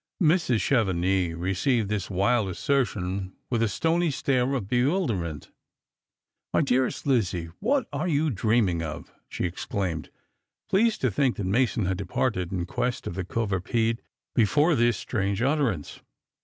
Mrs. Chevenix received this wild assertion with the stony stare of bewilderment. " My dearest Lizzie, what are you dreaming of? " she ex claimed ; pleased to think that Mason had departed, in quest of Ihe couvre pied, before this strange utterance.